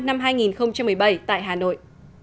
năm hai nghìn một mươi bảy tại hà nội